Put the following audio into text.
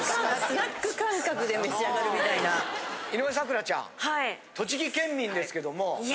・井上咲楽ちゃん栃木県民ですけども。いや。